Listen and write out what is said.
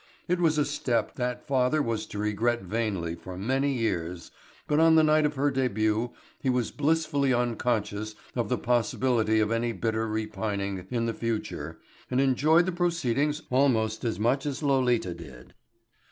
It was a step that father was to regret vainly for many years, but on the night of her debut he was blissfully unconscious of the possibility of any bitter repining in the future and enjoyed the proceedings almost as much as Lolita did.